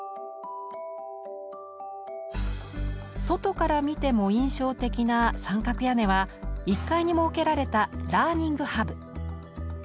外から見ても印象的な三角屋根は１階に設けられた「ラーニングハブ」。